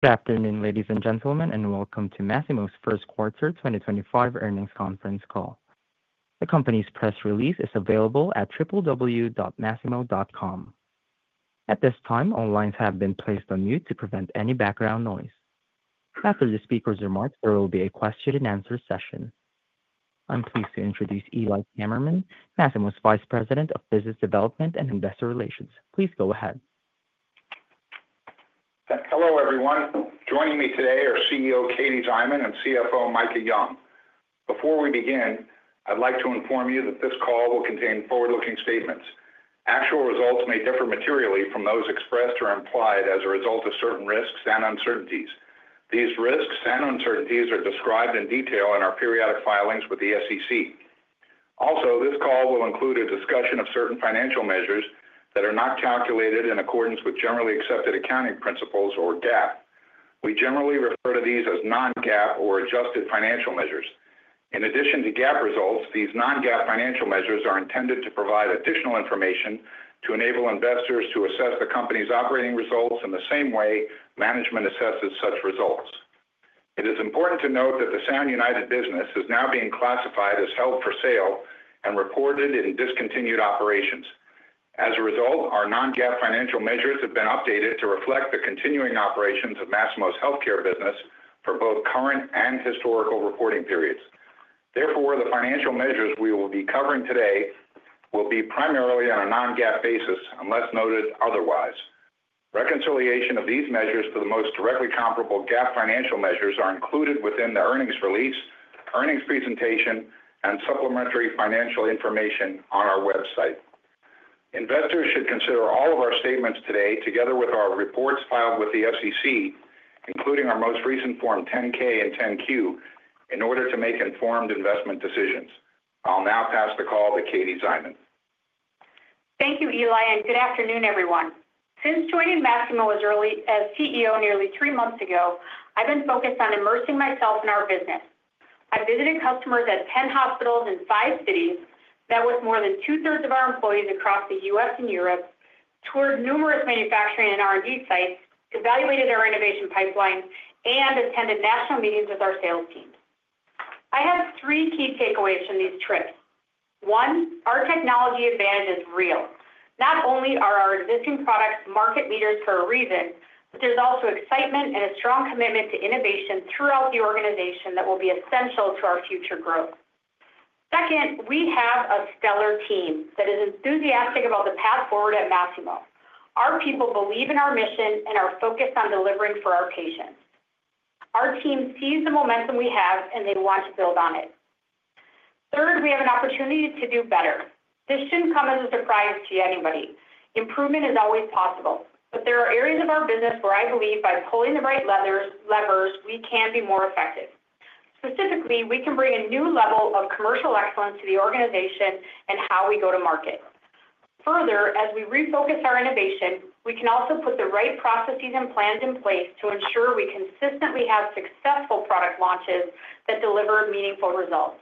Good afternoon, ladies and gentlemen, and welcome to Masimo's first quarter 2025 earnings conference call. The company's press release is available at www.masimo.com. At this time, all lines have been placed on mute to prevent any background noise. After the speaker's remarks, there will be a question-and-answer session. I'm pleased to introduce Eli Kammerman, Masimo's Vice President of Business Development and Investor Relations. Please go ahead. Hello, everyone. Joining me today are CEO Katie Szyman and CFO Micah Young. Before we begin, I'd like to inform you that this call will contain forward-looking statements. Actual results may differ materially from those expressed or implied as a result of certain risks and uncertainties. These risks and uncertainties are described in detail in our periodic filings with the SEC. Also, this call will include a discussion of certain financial measures that are not calculated in accordance with Generally Accepted Accounting Principles, or GAAP. We generally refer to these as non-GAAP or adjusted financial measures. In addition to GAAP results, these non-GAAP financial measures are intended to provide additional information to enable investors to assess the company's operating results in the same way management assesses such results. It is important to note that the Sound United business is now being classified as held for sale and reported in discontinued operations. As a result, our non-GAAP financial measures have been updated to reflect the continuing operations of Masimo's healthcare business for both current and historical reporting periods. Therefore, the financial measures we will be covering today will be primarily on a non-GAAP basis, unless noted otherwise. Reconciliation of these measures to the most directly comparable GAAP financial measures is included within the earnings release, earnings presentation, and supplementary financial information on our website. Investors should consider all of our statements today, together with our reports filed with the SEC, including our most recent Form 10-K and 10-Q, in order to make informed investment decisions. I'll now pass the call to Katie Szyman. Thank you, Eli, and good afternoon, everyone. Since joining Masimo as CEO nearly three months ago, I've been focused on immersing myself in our business. I've visited customers at 10 hospitals in five cities, met with more than two-thirds of our employees across the U.S. and Europe, toured numerous manufacturing and R&D sites, evaluated our innovation pipeline, and attended national meetings with our sales teams. I have three key takeaways from these trips. One, our technology advantage is real. Not only are our existing products market leaders for a reason, but there's also excitement and a strong commitment to innovation throughout the organization that will be essential to our future growth. Second, we have a stellar team that is enthusiastic about the path forward at Masimo. Our people believe in our mission and are focused on delivering for our patients. Our team sees the momentum we have, and they want to build on it. Third, we have an opportunity to do better. This should not come as a surprise to anybody. Improvement is always possible, but there are areas of our business where I believe by pulling the right levers, we can be more effective. Specifically, we can bring a new level of commercial excellence to the organization and how we go to market. Further, as we refocus our innovation, we can also put the right processes and plans in place to ensure we consistently have successful product launches that deliver meaningful results.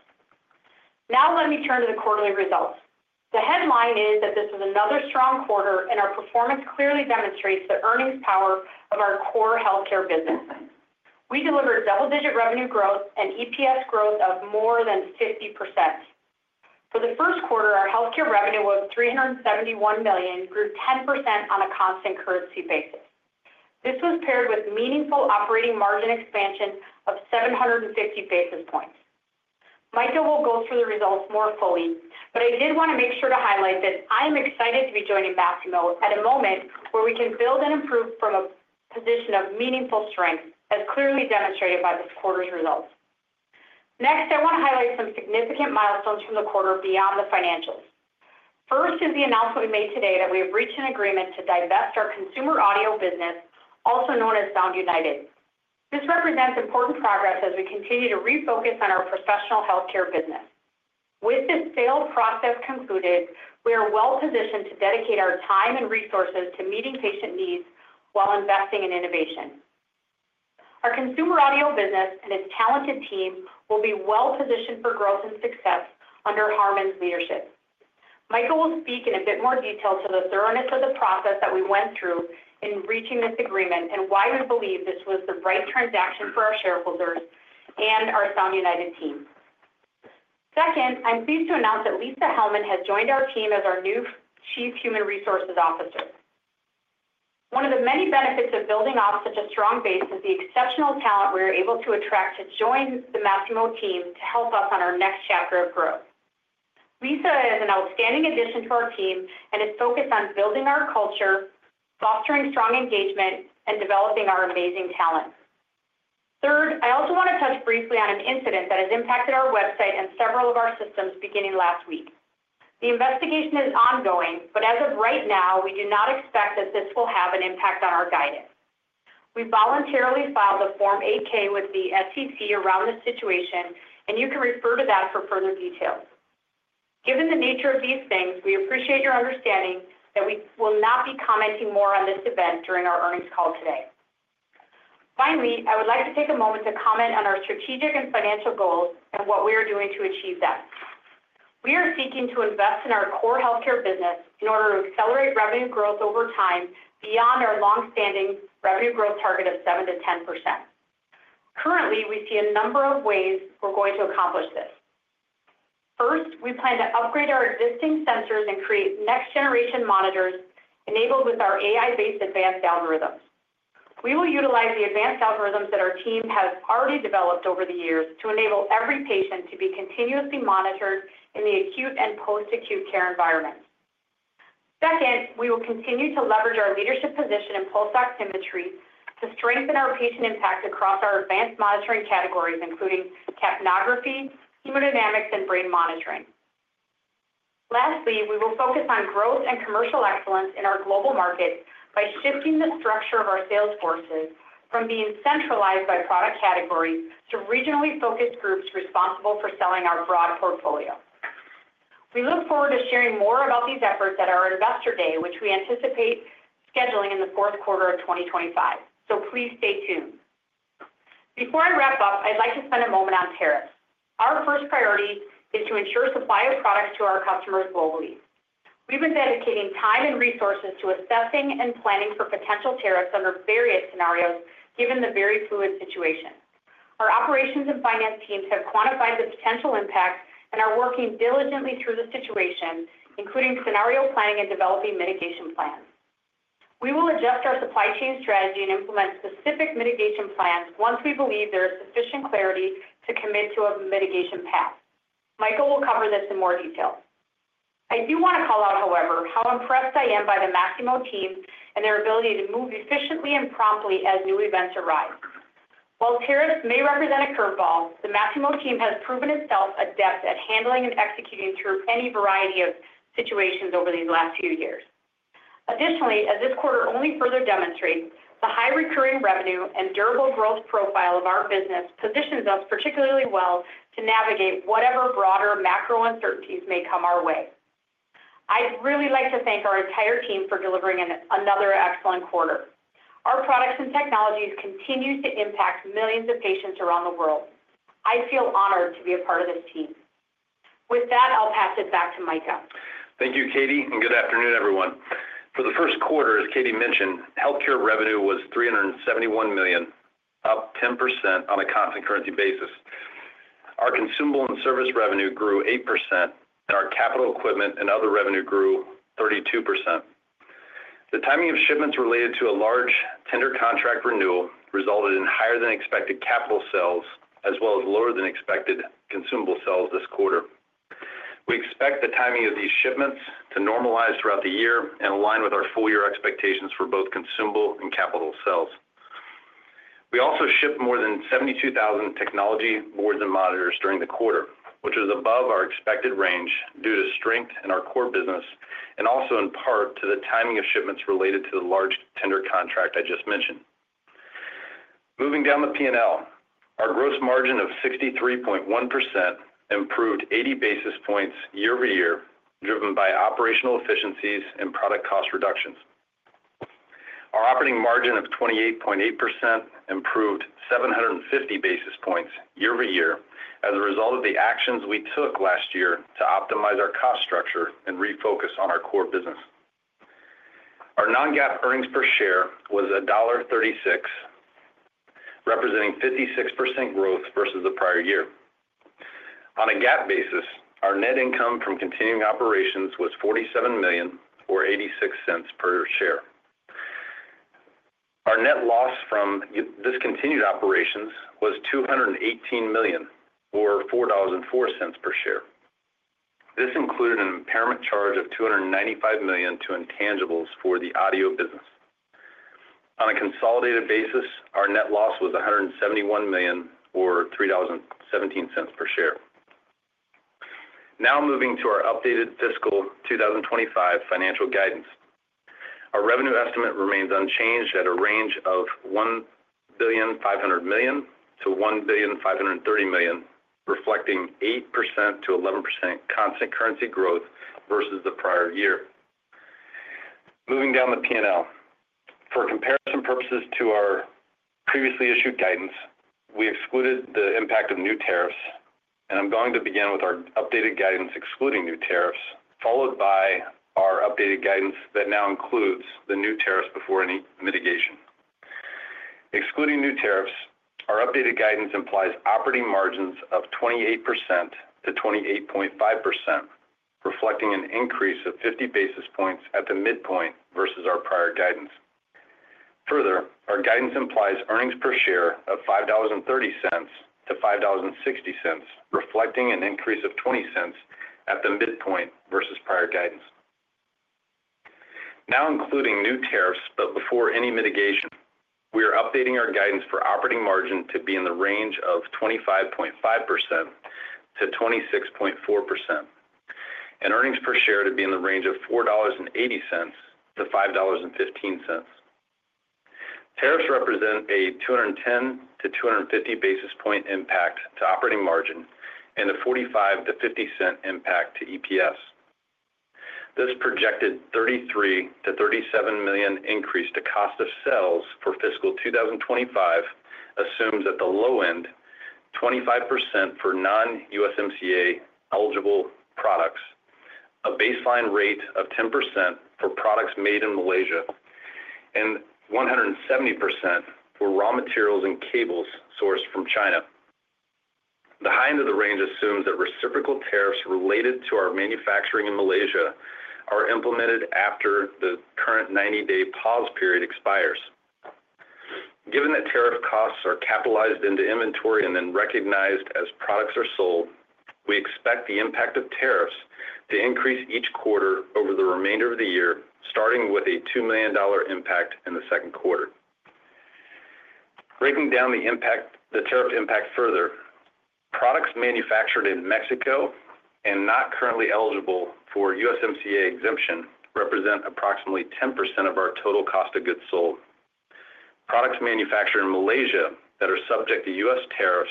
Now, let me turn to the quarterly results. The headline is that this was another strong quarter, and our performance clearly demonstrates the earnings power of our core healthcare business. We delivered double-digit revenue growth and EPS growth of more than 50%. For the first quarter, our healthcare revenue was $371 million, grew 10% on a constant currency basis. This was paired with meaningful operating margin expansion of 750 basis points. Micah will go through the results more fully, but I did want to make sure to highlight that I am excited to be joining Masimo at a moment where we can build and improve from a position of meaningful strength, as clearly demonstrated by this quarter's results. Next, I want to highlight some significant milestones from the quarter beyond the financials. First is the announcement we made today that we have reached an agreement to divest our consumer audio business, also known as Sound United. This represents important progress as we continue to refocus on our professional healthcare business. With this sales process concluded, we are well-positioned to dedicate our time and resources to meeting patient needs while investing in innovation. Our consumer audio business and its talented team will be well-positioned for growth and success under Harman's leadership. Micah will speak in a bit more detail to the thoroughness of the process that we went through in reaching this agreement and why we believe this was the right transaction for our shareholders and our Sound United team. Second, I'm pleased to announce that Lisa Hellman has joined our team as our new Chief Human Resources Officer. One of the many benefits of building off such a strong base is the exceptional talent we are able to attract to join the Masimo team to help us on our next chapter of growth. Lisa is an outstanding addition to our team and is focused on building our culture, fostering strong engagement, and developing our amazing talent. Third, I also want to touch briefly on an incident that has impacted our website and several of our systems beginning last week. The investigation is ongoing, but as of right now, we do not expect that this will have an impact on our guidance. We voluntarily filed a Form 8-K with the SEC around this situation, and you can refer to that for further details. Given the nature of these things, we appreciate your understanding that we will not be commenting more on this event during our earnings call today. Finally, I would like to take a moment to comment on our strategic and financial goals and what we are doing to achieve them. We are seeking to invest in our core healthcare business in order to accelerate revenue growth over time beyond our long-standing revenue growth target of 7%-10%. Currently, we see a number of ways we're going to accomplish this. First, we plan to upgrade our existing sensors and create next-generation monitors enabled with our AI-based advanced algorithms. We will utilize the advanced algorithms that our team has already developed over the years to enable every patient to be continuously monitored in the acute and post-acute care environments. Second, we will continue to leverage our leadership position in pulse oximetry to strengthen our patient impact across our advanced monitoring categories, including capnography, hemodynamics, and brain monitoring. Lastly, we will focus on growth and commercial excellence in our global markets by shifting the structure of our sales forces from being centralized by product categories to regionally focused groups responsible for selling our broad portfolio. We look forward to sharing more about these efforts at our investor day, which we anticipate scheduling in the fourth quarter of 2025. Please stay tuned. Before I wrap up, I'd like to spend a moment on tariffs. Our first priority is to ensure supply of products to our customers globally. We've been dedicating time and resources to assessing and planning for potential tariffs under various scenarios, given the very fluid situation. Our operations and finance teams have quantified the potential impact and are working diligently through the situation, including scenario planning and developing mitigation plans. We will adjust our supply chain strategy and implement specific mitigation plans once we believe there is sufficient clarity to commit to a mitigation path. Micah will cover this in more detail. I do want to call out, however, how impressed I am by the Masimo team and their ability to move efficiently and promptly as new events arise. While tariffs may represent a curveball, the Masimo team has proven itself adept at handling and executing through any variety of situations over these last few years. Additionally, as this quarter only further demonstrates, the high recurring revenue and durable growth profile of our business positions us particularly well to navigate whatever broader macro uncertainties may come our way. I'd really like to thank our entire team for delivering another excellent quarter. Our products and technologies continue to impact millions of patients around the world. I feel honored to be a part of this team. With that, I'll pass it back to Micah. Thank you, Katie, and good afternoon, everyone. For the first quarter, as Katie mentioned, healthcare revenue was $371 million, up 10% on a constant currency basis. Our consumable and service revenue grew 8%, and our capital equipment and other revenue grew 32%. The timing of shipments related to a large tender contract renewal resulted in higher-than-expected capital sales, as well as lower-than-expected consumable sales this quarter. We expect the timing of these shipments to normalize throughout the year and align with our full-year expectations for both consumable and capital sales. We also shipped more than 72,000 technology boards and monitors during the quarter, which was above our expected range due to strength in our core business and also in part to the timing of shipments related to the large tender contract I just mentioned. Moving down the P&L, our gross margin of 63.1% improved 80 basis points year-over-year, driven by operational efficiencies and product cost reductions. Our operating margin of 28.8% improved 750 basis points year-over-year as a result of the actions we took last year to optimize our cost structure and refocus on our core business. Our non-GAAP earnings per share was $1.36, representing 56% growth versus the prior year. On a GAAP basis, our net income from continuing operations was $47 million, or $0.86 per share. Our net loss from discontinued operations was $218 million, or $4.04 per share. This included an impairment charge of $295 million to intangibles for the audio business. On a consolidated basis, our net loss was $171 million, or $3.17 per share. Now moving to our updated fiscal 2025 financial guidance. Our revenue estimate remains unchanged at a range of $1,500 million-$1,530 million, reflecting 8%-11% constant currency growth versus the prior year. Moving down the P&L, for comparison purposes to our previously issued guidance, we excluded the impact of new tariffs, and I'm going to begin with our updated guidance excluding new tariffs, followed by our updated guidance that now includes the new tariffs before any mitigation. Excluding new tariffs, our updated guidance implies operating margins of 28%-28.5%, reflecting an increase of 50 basis points at the midpoint versus our prior guidance. Further, our guidance implies earnings per share of $5.30-$5.60, reflecting an increase of $0.20 at the midpoint versus prior guidance. Now including new tariffs, but before any mitigation, we are updating our guidance for operating margin to be in the range of 25.5%-26.4%, and earnings per share to be in the range of $4.80-$5.15. Tariffs represent a 210-250 basis point impact to operating margin and a $0.45-$0.50 impact to EPS. This projected $33 million-$37 million increase to cost of sales for fiscal 2025 assumes at the low end 25% for non-USMCA eligible products, a baseline rate of 10% for products made in Malaysia, and 170% for raw materials and cables sourced from China. The high end of the range assumes that reciprocal tariffs related to our manufacturing in Malaysia are implemented after the current 90-day pause period expires. Given that tariff costs are capitalized into inventory and then recognized as products are sold, we expect the impact of tariffs to increase each quarter over the remainder of the year, starting with a $2 million impact in the second quarter. Breaking down the tariff impact further, products manufactured in Mexico and not currently eligible for USMCA exemption represent approximately 10% of our total cost of goods sold. Products manufactured in Malaysia that are subject to U.S. tariffs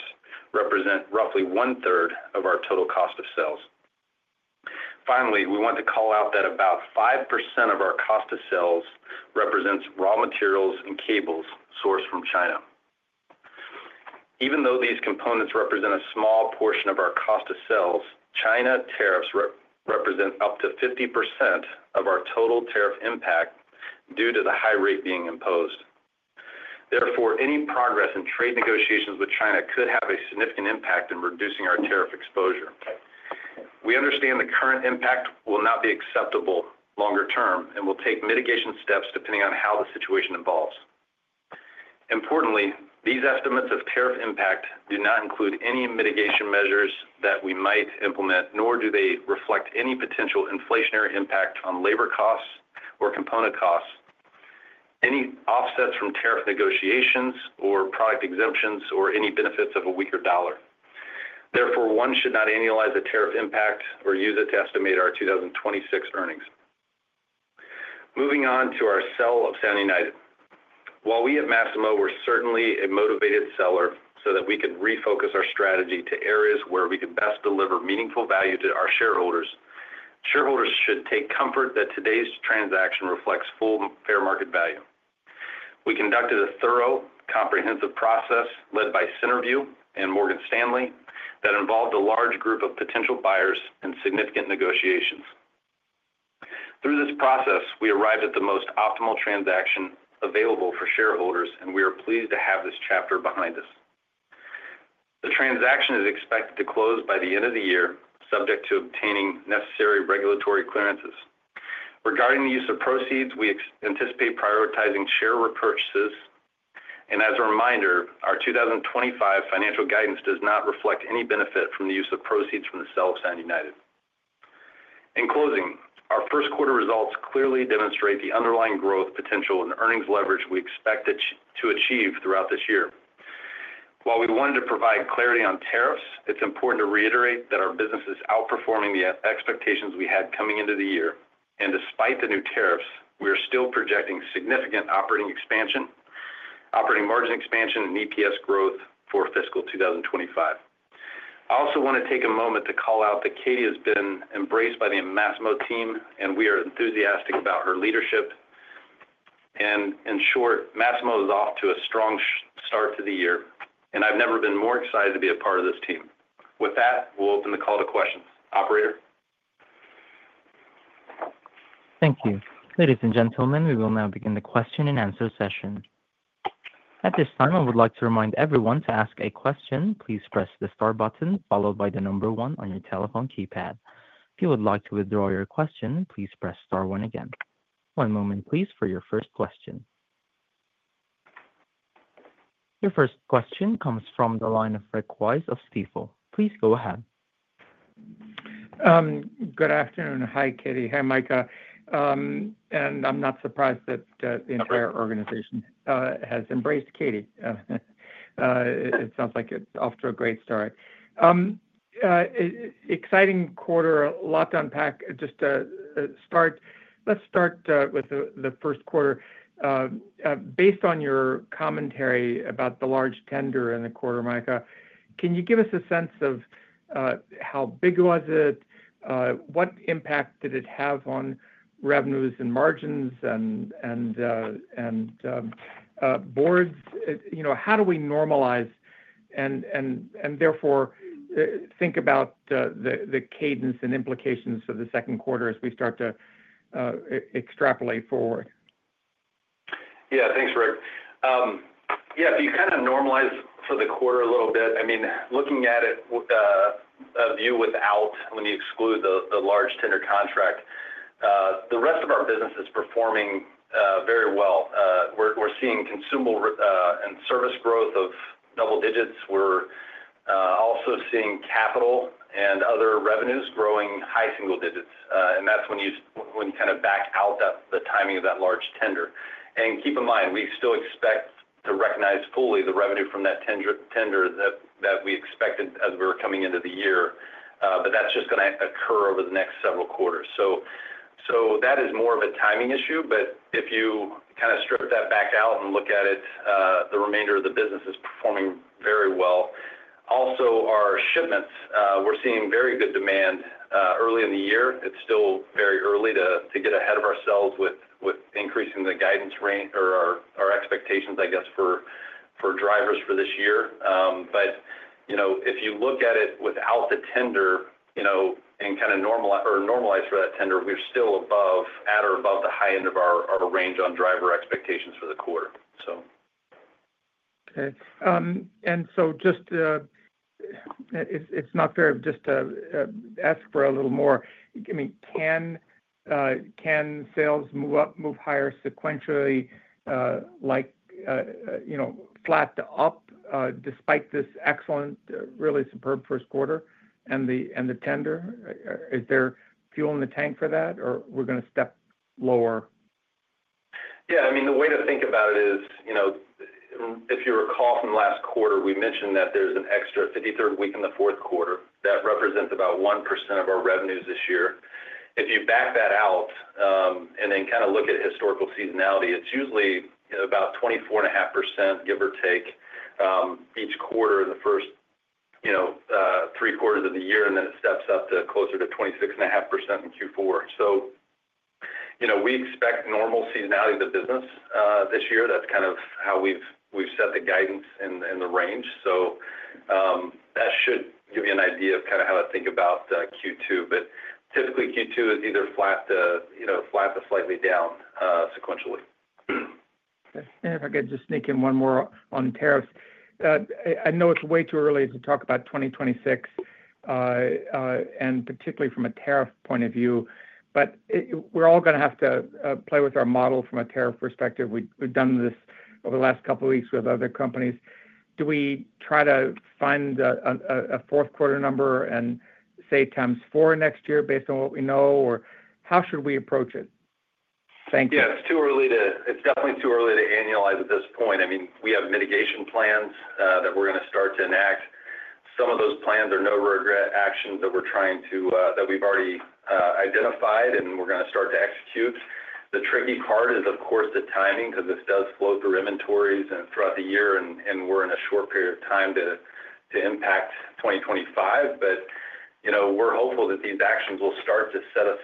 represent roughly one-third of our total cost of sales. Finally, we want to call out that about 5% of our cost of sales represents raw materials and cables sourced from China. Even though these components represent a small portion of our cost of sales, China tariffs represent up to 50% of our total tariff impact due to the high rate being imposed. Therefore, any progress in trade negotiations with China could have a significant impact in reducing our tariff exposure. We understand the current impact will not be acceptable longer term and will take mitigation steps depending on how the situation evolves. Importantly, these estimates of tariff impact do not include any mitigation measures that we might implement, nor do they reflect any potential inflationary impact on labor costs or component costs, any offsets from tariff negotiations or product exemptions, or any benefits of a weaker dollar. Therefore, one should not annualize the tariff impact or use it to estimate our 2026 earnings. Moving on to our sale of Sound United. While we at Masimo were certainly a motivated seller so that we could refocus our strategy to areas where we could best deliver meaningful value to our shareholders, shareholders should take comfort that today's transaction reflects full fair market value. We conducted a thorough, comprehensive process led by Centerview and Morgan Stanley that involved a large group of potential buyers and significant negotiations. Through this process, we arrived at the most optimal transaction available for shareholders, and we are pleased to have this chapter behind us. The transaction is expected to close by the end of the year, subject to obtaining necessary regulatory clearances. Regarding the use of proceeds, we anticipate prioritizing share repurchases. As a reminder, our 2025 financial guidance does not reflect any benefit from the use of proceeds from the sale of Sound United. In closing, our first quarter results clearly demonstrate the underlying growth potential and earnings leverage we expect to achieve throughout this year. While we wanted to provide clarity on tariffs, it's important to reiterate that our business is outperforming the expectations we had coming into the year. Despite the new tariffs, we are still projecting significant operating margin expansion and EPS growth for fiscal 2025. I also want to take a moment to call out that Katie has been embraced by the Masimo team, and we are enthusiastic about her leadership. In short, Masimo is off to a strong start to the year, and I've never been more excited to be a part of this team. With that, we'll open the call to questions. Operator. Thank you. Ladies and gentlemen, we will now begin the question and answer session. At this time, I would like to remind everyone to ask a question. Please press the star button followed by the number one on your telephone keypad. If you would like to withdraw your question, please press star one again. One moment, please, for your first question. Your first question comes from the line of Rick Wise of Stifel. Please go ahead. Good afternoon. Hi, Katie. Hi, Micah. I'm not surprised that the entire organization has embraced Katie. It sounds like it's off to a great start. Exciting quarter, a lot to unpack. Just to start, let's start with the first quarter. Based on your commentary about the large tender in the quarter, Micah, can you give us a sense of how big was it? What impact did it have on revenues and margins and boards? How do we normalize and therefore think about the cadence and implications for the second quarter as we start to extrapolate forward? Yeah, thanks, Rick. Yeah, if you kind of normalize for the quarter a little bit, I mean, looking at it a view without, when you exclude the large tender contract, the rest of our business is performing very well. We're seeing consumable and service growth of double digits. We're also seeing capital and other revenues growing high single digits. That's when you kind of back out the timing of that large tender. Keep in mind, we still expect to recognize fully the revenue from that tender that we expected as we were coming into the year, but that's just going to occur over the next several quarters. That is more of a timing issue, but if you kind of strip that back out and look at it, the remainder of the business is performing very well. Also, our shipments, we're seeing very good demand early in the year. It's still very early to get ahead of ourselves with increasing the guidance or our expectations, I guess, for drivers for this year. If you look at it without the tender and kind of normalize for that tender, we're still at or above the high end of our range on driver expectations for the quarter. Okay. Just it's not fair just to ask for a little more. I mean, can sales move up, move higher sequentially, like flat up despite this excellent, really superb first quarter and the tender? Is there fuel in the tank for that, or we're going to step lower? Yeah, I mean, the way to think about it is, if you recall from last quarter, we mentioned that there's an extra 53rd week in the fourth quarter that represents about 1% of our revenues this year. If you back that out and then kind of look at historical seasonality, it's usually about 24.5%, give or take, each quarter in the first three quarters of the year, and then it steps up to closer to 26.5% in Q4. We expect normal seasonality of the business this year. That's kind of how we've set the guidance and the range. That should give you an idea of kind of how to think about Q2. Typically, Q2 is either flat to slightly down sequentially. If I could just sneak in one more on tariffs. I know it's way too early to talk about 2026, and particularly from a tariff point of view, but we're all going to have to play with our model from a tariff perspective. We've done this over the last couple of weeks with other companies. Do we try to find a fourth quarter number and say times four next year based on what we know, or how should we approach it? Thank you. Yeah, it's too early to—it's definitely too early to annualize at this point. I mean, we have mitigation plans that we're going to start to enact. Some of those plans are no regret actions that we've already identified, and we're going to start to execute. The tricky part is, of course, the timing because this does flow through inventories and throughout the year, and we're in a short period of time to impact 2025. We are hopeful that these actions will start to set us,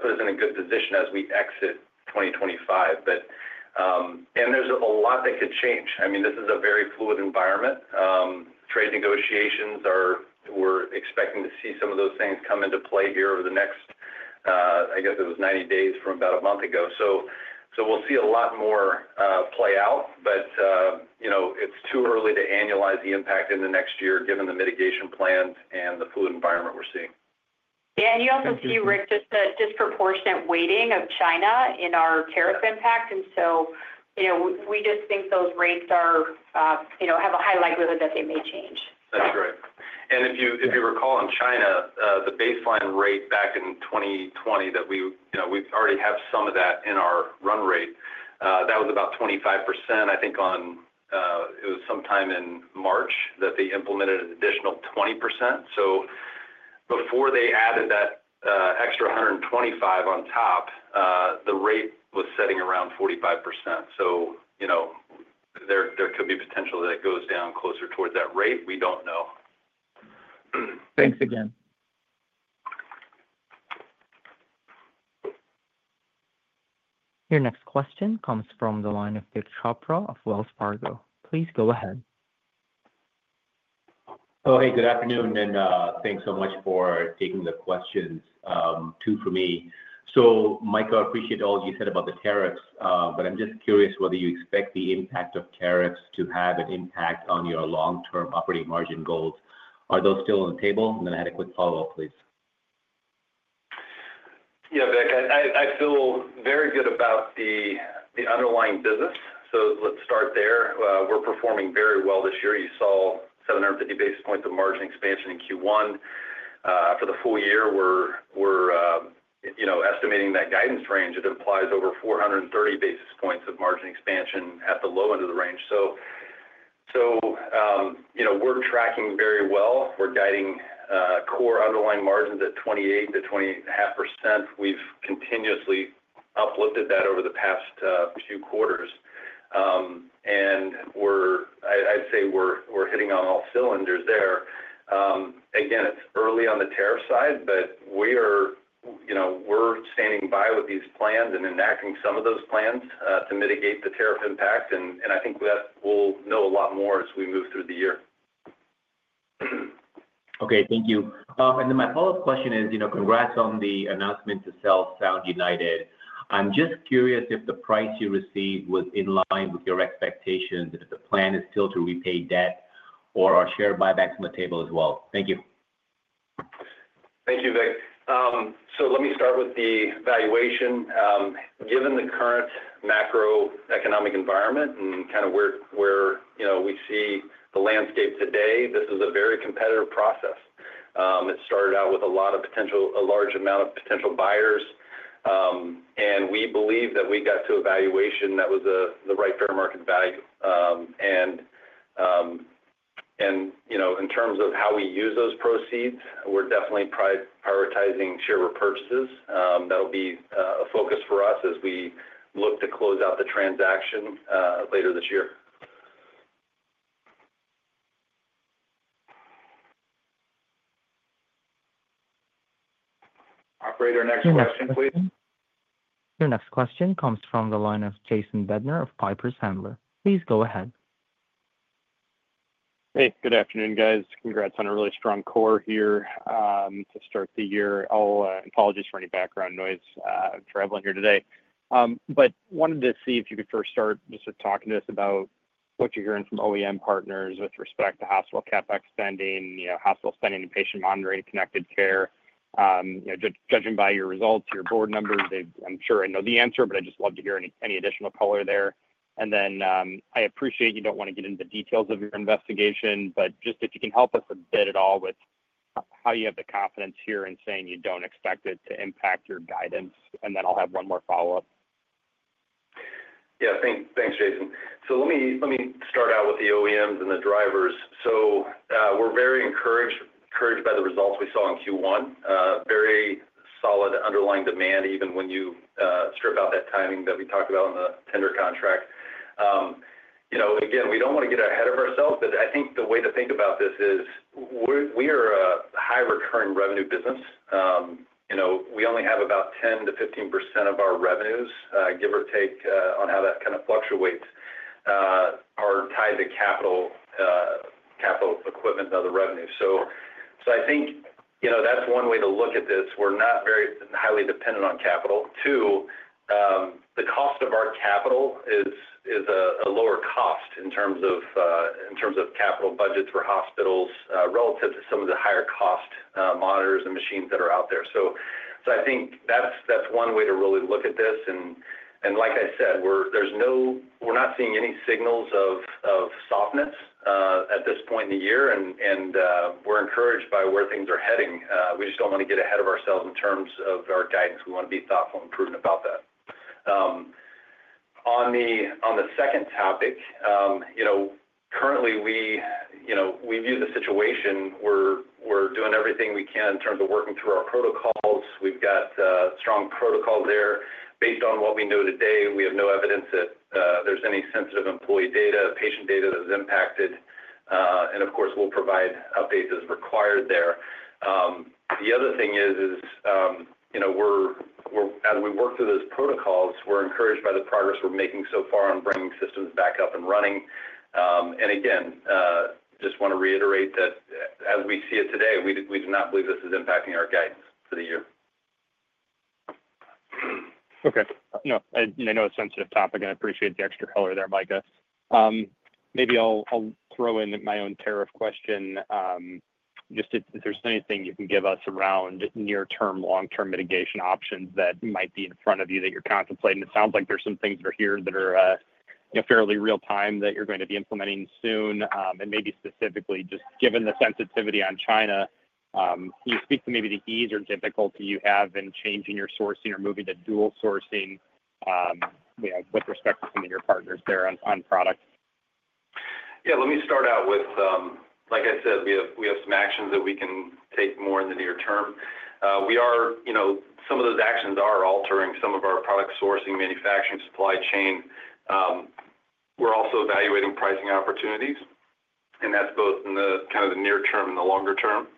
put us in a good position as we exit 2025. There is a lot that could change. I mean, this is a very fluid environment. Trade negotiations, we're expecting to see some of those things come into play here over the next, I guess it was 90 days from about a month ago. We'll see a lot more play out, but it's too early to annualize the impact in the next year given the mitigation plans and the fluid environment we're seeing. Yeah, you also see, Rick, just the disproportionate weighting of China in our tariff impact. We just think those rates have a high likelihood that they may change. That's right. If you recall in China, the baseline rate back in 2020 that we already have some of that in our run rate, that was about 25%. I think it was sometime in March that they implemented an additional 20%. Before they added that extra 125 on top, the rate was sitting around 45%. There could be potential that it goes down closer towards that rate. We do not know. Thanks again. Your next question comes from the line of Vik Chopra of Wells Fargo. Please go ahead. Oh, hey, good afternoon, and thanks so much for taking the questions. Two for me. Micah, I appreciate all you said about the tariffs, but I'm just curious whether you expect the impact of tariffs to have an impact on your long-term operating margin goals. Are those still on the table? I had a quick follow-up, please. Yeah, Vik, I feel very good about the underlying business. So let's start there. We're performing very well this year. You saw 750 basis points of margin expansion in Q1. For the full year, we're estimating that guidance range. It implies over 430 basis points of margin expansion at the low end of the range. So we're tracking very well. We're guiding core underlying margins at 28%-20.5%. We've continuously uplifted that over the past few quarters. And I'd say we're hitting on all cylinders there. Again, it's early on the tariff side, but we're standing by with these plans and enacting some of those plans to mitigate the tariff impact. And I think we'll know a lot more as we move through the year. Okay, thank you. My follow-up question is, congrats on the announcement to sell Sound United. I'm just curious if the price you received was in line with your expectations, if the plan is still to repay debt or are share buybacks on the table as well. Thank you. Thank you, Vik. Let me start with the valuation. Given the current macroeconomic environment and kind of where we see the landscape today, this is a very competitive process. It started out with a large amount of potential buyers. We believe that we got to a valuation that was the right fair market value. In terms of how we use those proceeds, we're definitely prioritizing share repurchases. That'll be a focus for us as we look to close out the transaction later this year. Operator, next question, please. Your next question comes from the line of Jason Bednar of Piper Sandler. Please go ahead. Hey, good afternoon, guys. Congrats on a really strong core here to start the year. Apologies for any background noise traveling here today. Wanted to see if you could first start just with talking to us about what you're hearing from OEM partners with respect to hospital CapEx spending, hospital spending and patient monitoring connected care. Judging by your results, your board members, I'm sure I know the answer, but I'd just love to hear any additional color there. I appreciate you don't want to get into the details of your investigation, but just if you can help us a bit at all with how you have the confidence here in saying you don't expect it to impact your guidance. I'll have one more follow-up. Yeah, thanks, Jason. Let me start out with the OEMs and the drivers. We're very encouraged by the results we saw in Q1. Very solid underlying demand, even when you strip out that timing that we talked about in the tender contract. Again, we don't want to get ahead of ourselves, but I think the way to think about this is we are a high recurring revenue business. We only have about 10%-15% of our revenues, give or take on how that kind of fluctuates, are tied to capital, capital equipment, and other revenue. I think that's one way to look at this. We're not very highly dependent on capital. Two, the cost of our capital is a lower cost in terms of capital budgets for hospitals relative to some of the higher cost monitors and machines that are out there. I think that's one way to really look at this. Like I said, we're not seeing any signals of softness at this point in the year, and we're encouraged by where things are heading. We just don't want to get ahead of ourselves in terms of our guidance. We want to be thoughtful and prudent about that. On the second topic, currently, we view the situation. We're doing everything we can in terms of working through our protocols. We've got strong protocols there. Based on what we know today, we have no evidence that there's any sensitive employee data, patient data that was impacted. Of course, we'll provide updates as required there. The other thing is, as we work through those protocols, we're encouraged by the progress we're making so far on bringing systems back up and running. Just want to reiterate that as we see it today, we do not believe this is impacting our guidance for the year. Okay. No, I know it's a sensitive topic, and I appreciate the extra color there, Micah. Maybe I'll throw in my own tariff question. Just if there's anything you can give us around near-term, long-term mitigation options that might be in front of you that you're contemplating. It sounds like there's some things that are here that are fairly real-time that you're going to be implementing soon. Maybe specifically, just given the sensitivity on China, can you speak to maybe the ease or difficulty you have in changing your sourcing or moving to dual sourcing with respect to some of your partners there on product? Yeah, let me start out with, like I said, we have some actions that we can take more in the near term. Some of those actions are altering some of our product sourcing, manufacturing, supply chain. We're also evaluating pricing opportunities, and that's both in the kind of the near term and the longer term.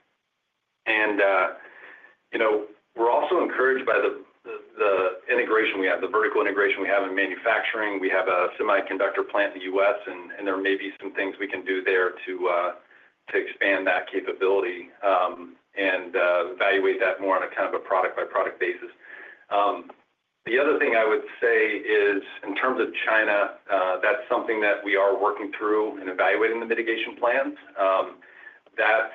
We're also encouraged by the integration we have, the vertical integration we have in manufacturing. We have a semiconductor plant in the U.S., and there may be some things we can do there to expand that capability and evaluate that more on a kind of a product-by-product basis. The other thing I would say is, in terms of China, that's something that we are working through and evaluating the mitigation plans. That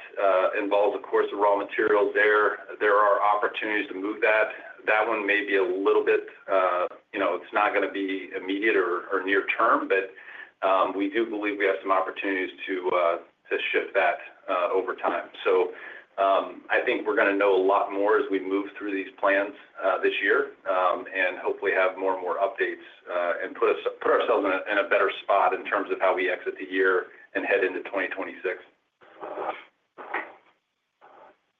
involves, of course, the raw materials there. There are opportunities to move that. That one may be a little bit—it's not going to be immediate or near-term, but we do believe we have some opportunities to shift that over time. I think we're going to know a lot more as we move through these plans this year and hopefully have more and more updates and put ourselves in a better spot in terms of how we exit the year and head into 2026.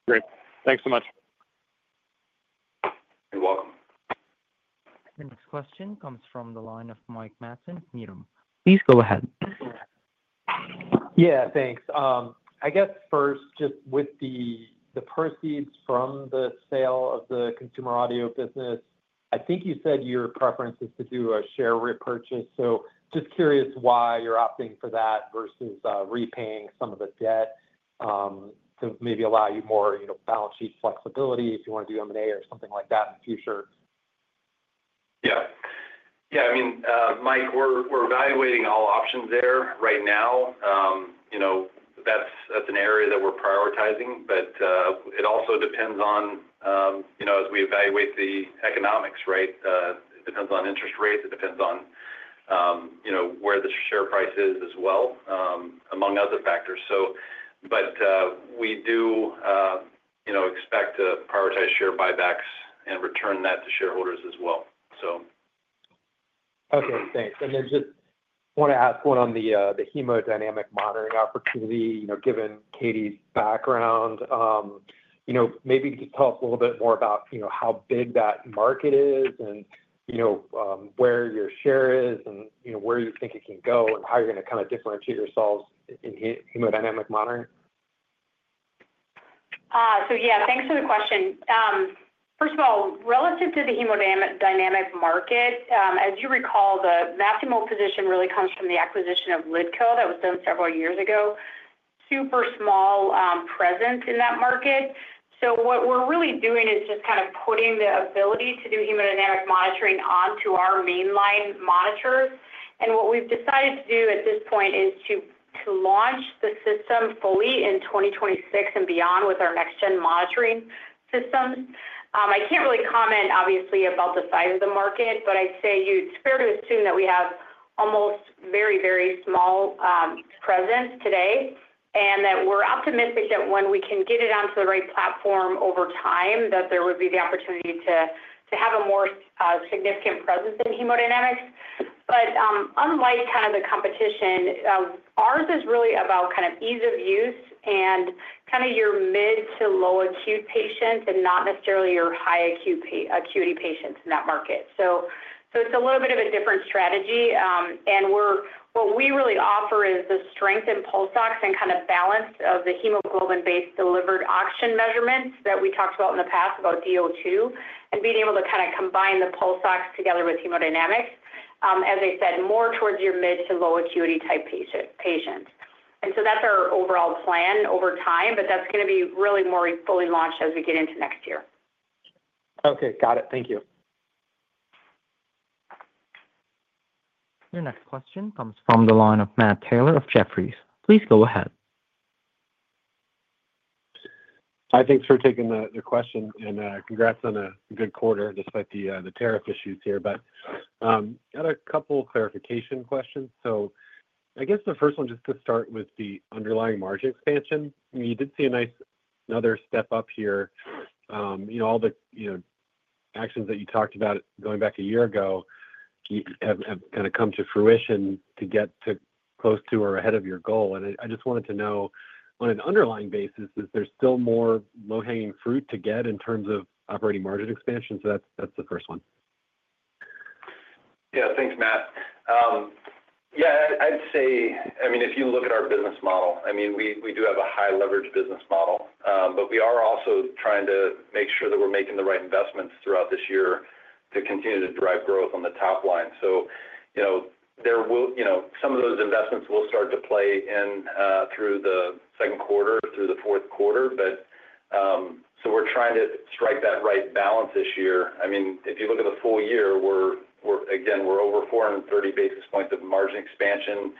Great. Thanks so much. You're welcome. Your next question comes from the line of Mike Matson, Needham. Please go ahead. Yeah, thanks. I guess first, just with the proceeds from the sale of the consumer audio business, I think you said your preference is to do a share repurchase. Just curious why you're opting for that versus repaying some of the debt to maybe allow you more balance sheet flexibility if you want to do M&A or something like that in the future. Yeah. Yeah, I mean, Mike, we're evaluating all options there right now. That's an area that we're prioritizing, but it also depends on, as we evaluate the economics, right? It depends on interest rates. It depends on where the share price is as well, among other factors. We do expect to prioritize share buybacks and return that to shareholders as well, so. Okay, thanks. I just want to ask one on the hemodynamic monitoring opportunity, given Katie's background. Maybe just tell us a little bit more about how big that market is and where your share is and where you think it can go and how you're going to kind of differentiate yourselves in hemodynamic monitoring. Yeah, thanks for the question. First of all, relative to the hemodynamic market, as you recall, the vacuum position really comes from the acquisition of LiDCO that was done several years ago. Super small presence in that market. What we're really doing is just kind of putting the ability to do hemodynamic monitoring onto our mainline monitors. What we've decided to do at this point is to launch the system fully in 2026 and beyond with our next-gen monitoring systems. I can't really comment, obviously, about the size of the market, but I'd say it's fair to assume that we have almost very, very small presence today and that we're optimistic that when we can get it onto the right platform over time, that there would be the opportunity to have a more significant presence in hemodynamics. Unlike kind of the competition, ours is really about kind of ease of use and kind of your mid to low acute patients and not necessarily your high acuity patients in that market. It is a little bit of a different strategy. What we really offer is the strength in pulse ox and kind of balance of the hemoglobin-based delivered oxygen measurements that we talked about in the past about DO2 and being able to kind of combine the pulse ox together with hemodynamics, as I said, more towards your mid to low acuity type patients. That is our overall plan over time, but that is going to be really more fully launched as we get into next year. Okay, got it. Thank you. Your next question comes from the line of Matt Taylor of Jefferies. Please go ahead. I think for taking the question and congrats on a good quarter despite the tariff issues here. I had a couple of clarification questions. I guess the first one, just to start with the underlying margin expansion. You did see another step up here. All the actions that you talked about going back a year ago have kind of come to fruition to get close to or ahead of your goal. I just wanted to know, on an underlying basis, is there still more low-hanging fruit to get in terms of operating margin expansion? That's the first one. Yeah, thanks, Matt. Yeah, I'd say, I mean, if you look at our business model, I mean, we do have a high-leverage business model, but we are also trying to make sure that we're making the right investments throughout this year to continue to drive growth on the top line. Some of those investments will start to play in through the second quarter, through the fourth quarter. We're trying to strike that right balance this year. I mean, if you look at the full year, again, we're over 430 basis points of margin expansion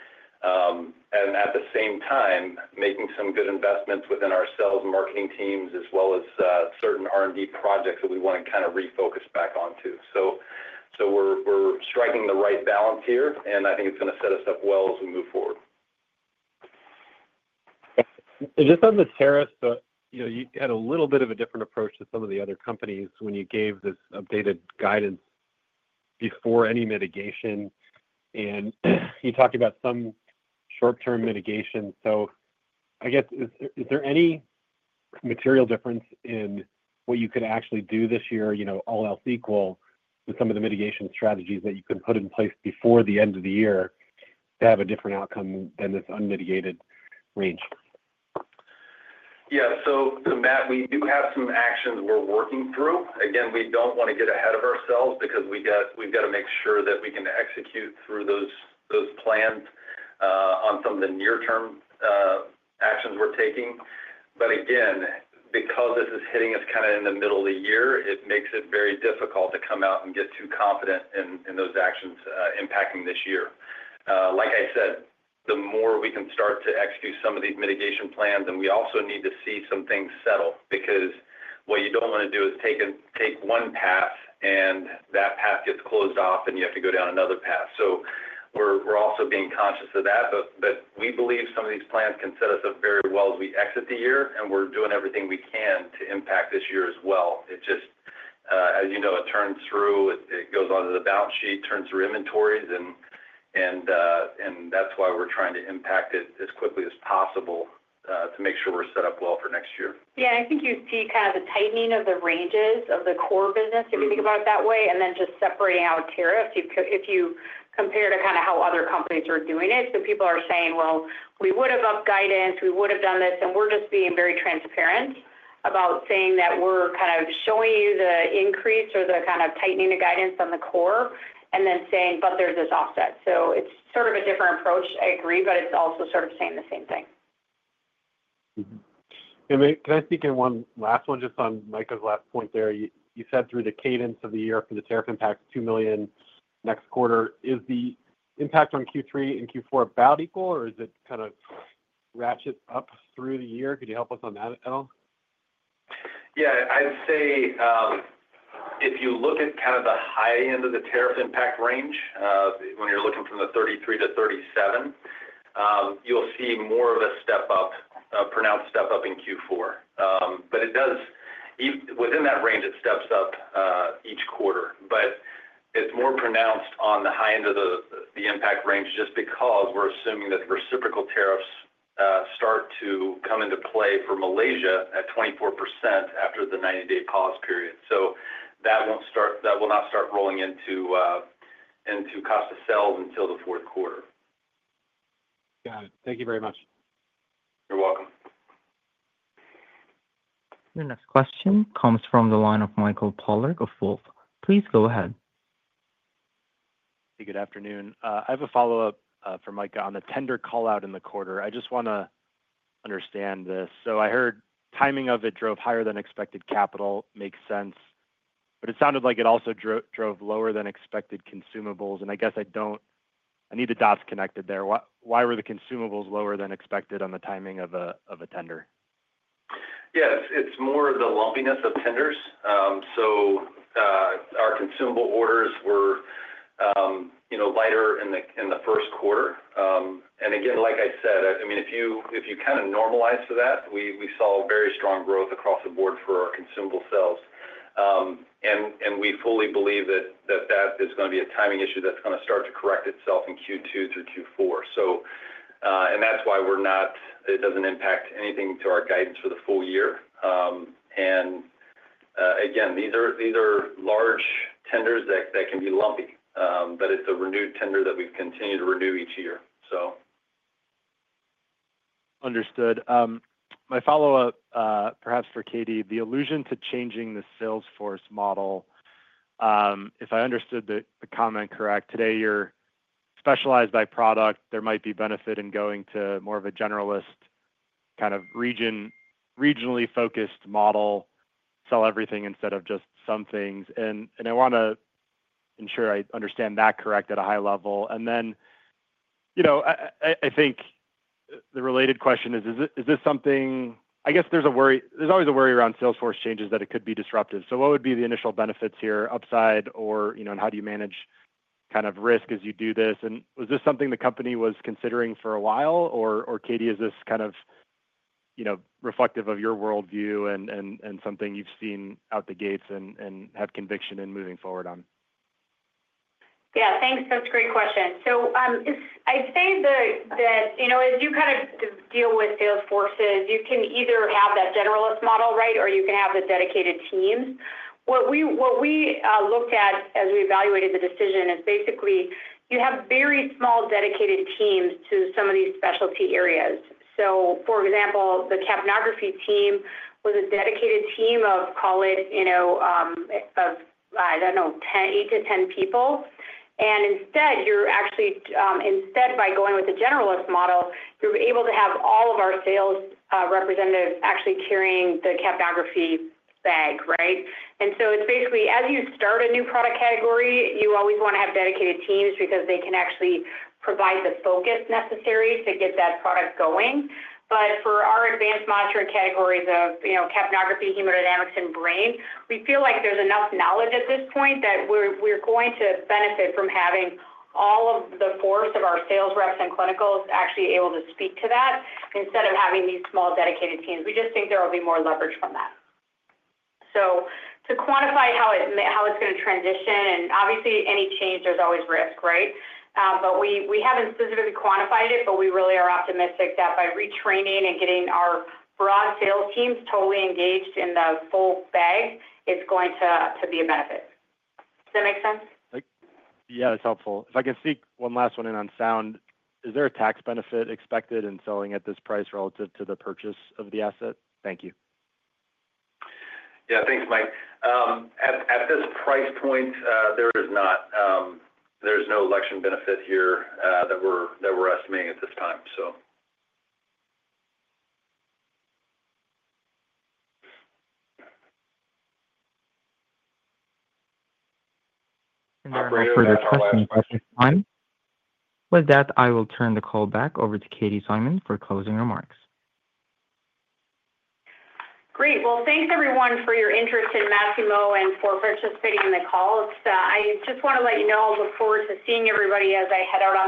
and at the same time, making some good investments within our sales and marketing teams as well as certain R&D projects that we want to kind of refocus back onto. We're striking the right balance here, and I think it's going to set us up well as we move forward. Just on the tariffs, you had a little bit of a different approach to some of the other companies when you gave this updated guidance before any mitigation. You talked about some short-term mitigation. I guess, is there any material difference in what you could actually do this year, all else equal, with some of the mitigation strategies that you could put in place before the end of the year to have a different outcome than this unmitigated range? Yeah. Matt, we do have some actions we're working through. Again, we don't want to get ahead of ourselves because we've got to make sure that we can execute through those plans on some of the near-term actions we're taking. Again, because this is hitting us kind of in the middle of the year, it makes it very difficult to come out and get too confident in those actions impacting this year. Like I said, the more we can start to execute some of these mitigation plans, and we also need to see some things settle because what you don't want to do is take one path, and that path gets closed off, and you have to go down another path. We're also being conscious of that. We believe some of these plans can set us up very well as we exit the year, and we're doing everything we can to impact this year as well. It just, as you know, it turns through, it goes onto the balance sheet, turns through inventories, and that's why we're trying to impact it as quickly as possible to make sure we're set up well for next year. Yeah, and I think you see kind of the tightening of the ranges of the core business if you think about it that way, and then just separating out tariffs if you compare to kind of how other companies are doing it. People are saying, "Well, we would have up guidance. We would have done this." We are just being very transparent about saying that we are kind of showing you the increase or the kind of tightening of guidance on the core and then saying, "But there is this offset." It is sort of a different approach, I agree, but it is also sort of saying the same thing. Can I sneak in one last one just on Micah's last point there? You said through the cadence of the year for the tariff impact, $2 million next quarter. Is the impact on Q3 and Q4 about equal, or is it kind of ratchet up through the year? Could you help us on that at all? Yeah, I'd say if you look at kind of the high end of the tariff impact range, when you're looking from the 33-37, you'll see more of a pronounced step up in Q4. Within that range, it steps up each quarter. It's more pronounced on the high end of the impact range just because we're assuming that the reciprocal tariffs start to come into play for Malaysia at 24% after the 90-day pause period. That will not start rolling into cost of sales until the fourth quarter. Got it. Thank you very much. You're welcome. Your next question comes from the line of Michael Polark of Wolfe. Please go ahead. Hey, good afternoon. I have a follow-up for Micah on the tender callout in the quarter. I just want to understand this. I heard timing of it drove higher than expected capital, makes sense. It sounded like it also drove lower than expected consumables. I guess I need the dots connected there. Why were the consumables lower than expected on the timing of a tender? Yeah, it's more of the lumpiness of tenders. Our consumable orders were lighter in the first quarter. Again, like I said, I mean, if you kind of normalize to that, we saw very strong growth across the board for our consumable sales. We fully believe that that is going to be a timing issue that's going to start to correct itself in Q2 through Q4. That's why it doesn't impact anything to our guidance for the full year. These are large tenders that can be lumpy, but it's a renewed tender that we continue to renew each year. Understood. My follow-up, perhaps for Katie, the allusion to changing the Salesforce model, if I understood the comment correct, today you're specialized by product. There might be benefit in going to more of a generalist kind of regionally focused model, sell everything instead of just some things. I want to ensure I understand that correct at a high level. I think the related question is, is this something, I guess there's always a worry around Salesforce changes that it could be disruptive. What would be the initial benefits here, upside, and how do you manage kind of risk as you do this? Was this something the company was considering for a while, or Katie, is this kind of reflective of your worldview and something you've seen out the gates and have conviction in moving forward on? Yeah, thanks. That's a great question. I'd say that as you kind of deal with Salesforces, you can either have that generalist model, right, or you can have the dedicated teams. What we looked at as we evaluated the decision is basically you have very small dedicated teams to some of these specialty areas. For example, the capnography team was a dedicated team of, call it, I don't know, 8-10 people. Instead, by going with the generalist model, you're able to have all of our sales representatives actually carrying the capnography bag, right? It's basically, as you start a new product category, you always want to have dedicated teams because they can actually provide the focus necessary to get that product going. For our advanced monitoring categories of capnography, hemodynamics, and brain, we feel like there's enough knowledge at this point that we're going to benefit from having all of the force of our sales reps and clinicals actually able to speak to that instead of having these small dedicated teams. We just think there will be more leverage from that. To quantify how it's going to transition, and obviously, any change, there's always risk, right? We haven't specifically quantified it, but we really are optimistic that by retraining and getting our broad sales teams totally engaged in the full bag, it's going to be a benefit. Does that make sense? Yeah, that's helpful. If I can sneak one last one in on Sound, is there a tax benefit expected in selling at this price relative to the purchase of the asset? Thank you. Yeah, thanks, Mike. At this price point, there is not. There's no election benefit here that we're estimating at this time. That is for your question at this time. With that, I will turn the call back over to Katie Szyman for closing remarks. Great. Thanks, everyone, for your interest in Masimo and for participating in the call. I just want to let you know I look forward to seeing everybody as I head out on.